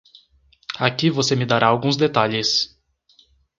Aqui você me dará alguns detalhes.